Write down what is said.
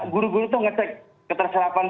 guru guru itu ngecek keterserapan